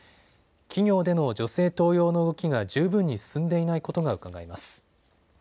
企業での女性登用の動きが十分に進んでいないことがうかがえます。